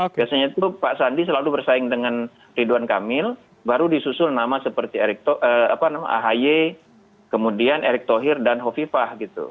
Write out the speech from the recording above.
biasanya itu pak sandi selalu bersaing dengan ridwan kamil baru disusul nama seperti ahy kemudian erick thohir dan hovifah gitu